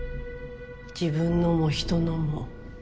自分のも他人のも。